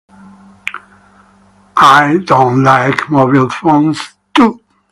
I don't like mobile phones, too.